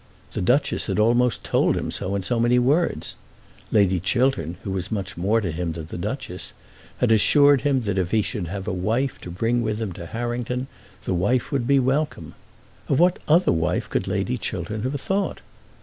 The Duchess had almost told him so in as many words. Lady Chiltern, who was much more to him than the Duchess, had assured him that if he should have a wife to bring with him to Harrington, the wife would be welcome. Of what other wife could Lady Chiltern have thought?